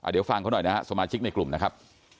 เดี๋ยวฟังเขาหน่อยนะฮะสมาชิกในกลุ่มนะครับ